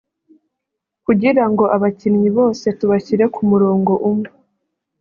kugira ngo abakinnyi bose tubashyire ku murongo umwe